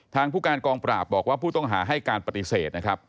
ทางผู้การกองปราบบอกว่าผู้ต้องหาให้การปฏิเสธนะครับ